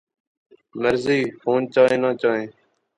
مرضی فون چائیں نہ چائیں